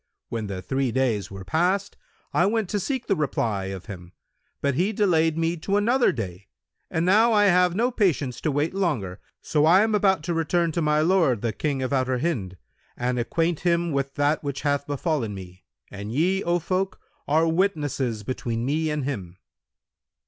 When the three days were past, I went to seek the reply of him, but he delayed me to another day; and now I have no patience to wait longer; so I am about to return to my lord, the King of Outer Hind, and acquaint him with that which hath befallen me; and ye, O folk, are witnesses between me and him.'